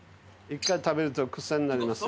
１回食べると癖になります。